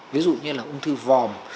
ví dụ như là ung thư vòm